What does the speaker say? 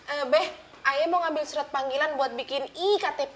eh beh ayah mau ngambil surat panggilan buat bikin iktp